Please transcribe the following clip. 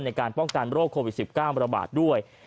ในการป้องกันโรคโควิด๑๙ระบาดด้วย